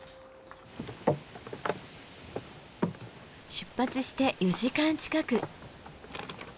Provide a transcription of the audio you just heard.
出発して４時間近く。